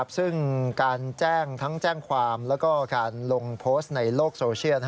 ซึ่งการแจ้งทั้งแจ้งความแล้วก็การลงโพสต์ในโลกโซเชียล